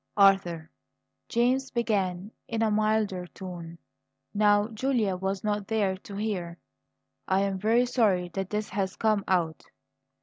"Arthur," James began in a milder tone, now Julia was not there to hear, "I am very sorry that this has come out.